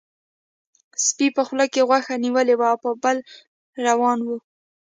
سپي په خوله کې غوښه نیولې وه او په پل روان و.